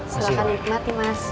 silahkan nikmati mas